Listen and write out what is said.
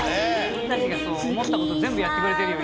俺たちがそう思ったこと全部やってくれてるよ